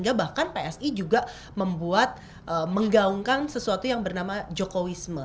dan juga membuat menggaungkan sesuatu yang bernama jokowisme